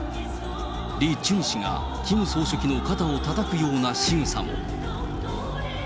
リ・チュニ氏がキム総書記の肩をたたくような仕草も。